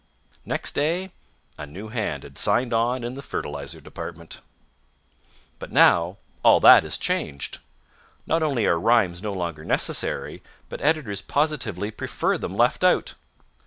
Next day a new hand had signed on in the fertilizer department. But now all that has changed. Not only are rhymes no longer necessary, but editors positively prefer them left out.